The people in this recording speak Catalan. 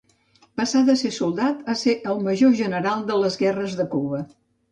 Passà de ser soldat a ser el major general de les guerres de Cuba.